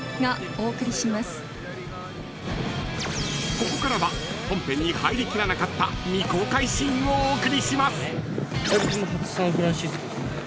［ここからは本編に入りきらなかった未公開シーンをお送りします］